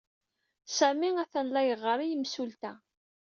Sami atan la yeɣɣar i yimsulta.